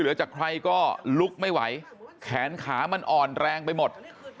จากใครก็ลุกไม่ไหวแขนขามันอ่อนแรงไปหมด